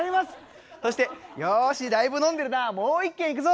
そして「よしだいぶ飲んでるなもう一軒行くぞ！」。